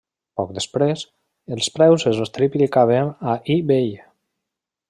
Poc després, els preus es triplicaven a eBay.